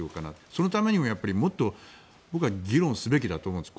そのためにももっと僕は議論すべきだと思うんです。